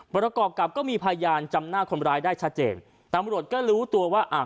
ประกอบกับก็มีพยานจำหน้าคนร้ายได้ชัดเจนตำรวจก็รู้ตัวว่าอ่า